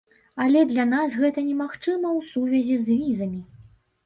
Але для нас гэта немагчыма ў сувязі з візамі.